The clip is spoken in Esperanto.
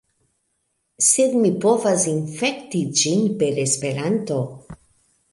Sed mi povas infekti ĝin per Esperanto